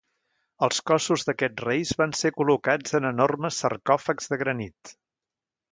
Els cossos d'aquests reis van ser col·locats en enormes sarcòfags de granit.